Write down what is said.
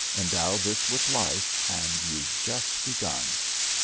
Endow this with life, and you've just begun.